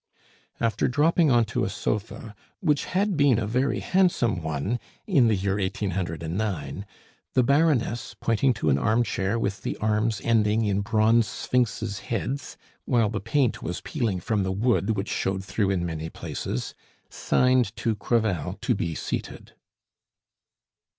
After dropping on to a sofa, which had been a very handsome one in the year 1809, the Baroness, pointing to an armchair with the arms ending in bronze sphinxes' heads, while the paint was peeling from the wood, which showed through in many places, signed to Crevel to be seated.